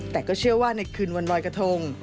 แต่ก็เชื่อว่าในคืนวันรอยกระทง